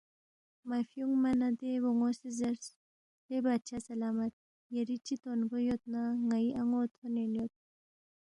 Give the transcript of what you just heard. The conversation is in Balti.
مہ فیُونگما نہ دے بون٘و سی زیرس، لے بادشاہ سلامت یری چی تونگو یود نہ ن٘ئی ان٘و تھونید لو